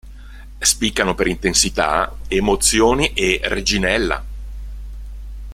Spiccano per intensità, "Emozioni" e "Reginella".